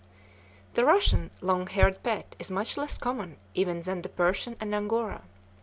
The Russian long haired pet is much less common even than the Persian and Angora.